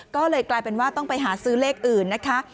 ก็เลยกลายเป็นว่าต้องไปหาซื้อเลขอื่นนะคะ